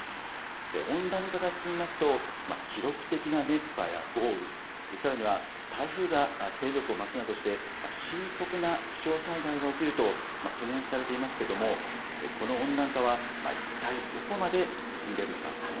温暖化が進みますと、記録的な熱波や豪雨、さらには台風が勢力を増すなどして、深刻な気象災害が起きると懸念されていますけれども、この温暖化は、一体どこまで進んでいるのか。